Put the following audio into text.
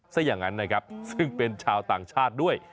ซะอย่างนั้นนะครับซึ่งเป็นชาวต่างชาติด้วย